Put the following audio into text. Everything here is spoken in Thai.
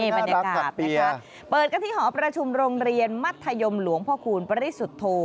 น่ารักกับเปียร์นะคะเปิดกันที่หอประชุมโรงเรียนมัธยมหลวงพคุณปริสุทธิ์โท